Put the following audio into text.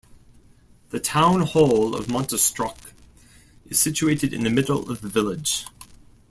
The Town Hall of Montastruc is situated in the middle of the village.